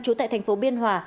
chủ tại thành phố biên hòa